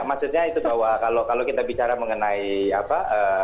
maksudnya itu bahwa kalau kita bicara mengenai apa